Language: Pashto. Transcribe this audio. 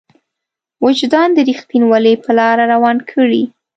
وجدان د رښتينولۍ په لاره روان کړي.